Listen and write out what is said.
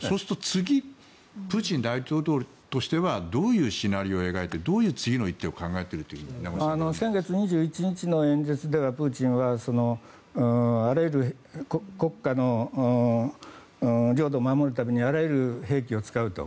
次、プーチン大統領としてはどういうシナリオを描いてどういう次の一手を先月２１日の演説ではプーチンは国家の領土を守るためにあらゆる兵器を使うと。